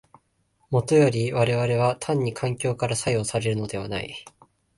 もとより我々は単に環境から作用されるのではない。